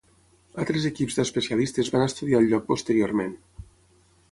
Altres equips d'especialistes van estudiar el lloc posteriorment.